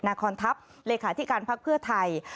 นาคอนทัพเลขาธิการพักเพื่อไทย